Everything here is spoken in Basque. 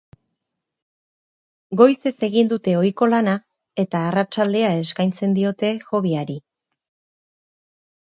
Goizez egin dute ohiko lana eta arratsaldea eskaintzen diote hoby-ari.